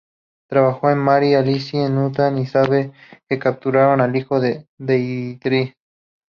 Trabajó con Mary Alice en Utah y sabe que capturaron al hijo de Deirdre.